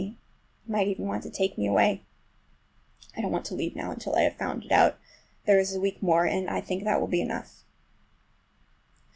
He might even want to take me away. I don't want to leave now until I have found it out. There is a week more, and I think that will be enough.